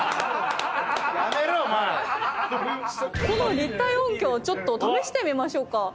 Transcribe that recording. この立体音響ちょっと試してみましょうか。